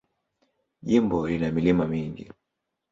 Jimbo lina milima mingi.